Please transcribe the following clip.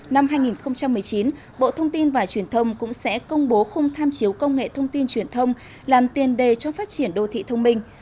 năm hai nghìn một mươi chín bộ thông tin và truyền thông cũng sẽ công bố khung tham chiếu công nghệ thông tin truyền thông làm tiền đề cho phát triển đô thị thông minh